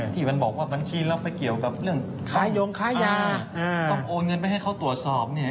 ที่มันบอกว่าบัญชีเราไปเกี่ยวกับเรื่องค้ายงค้ายาต้องโอนเงินไปให้เขาตรวจสอบเนี่ย